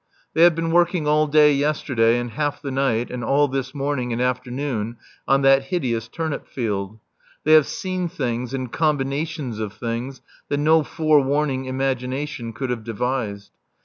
They have been working all day yesterday and half the night and all this morning and afternoon on that hideous turnip field. They have seen things and combinations of things that no forewarning imagination could have devised.